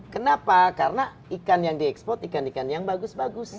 kenapa karena ikan yang diekspor ikan ikan yang bagus bagus